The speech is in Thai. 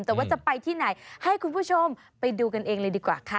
แต่ว่าจะไปที่ไหนให้คุณผู้ชมไปดูกันเองเลยดีกว่าค่ะ